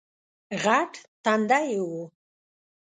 غټ تندی یې وو